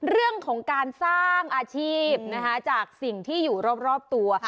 เรื่องของการสร้างอาชีพนะคะจากสิ่งที่อยู่รอบตัว